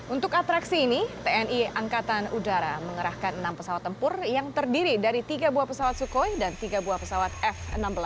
untuk atraksi ini tni angkatan udara mengerahkan enam pesawat tempur yang terdiri dari tiga buah pesawat sukhoi dan tiga buah pesawat f enam belas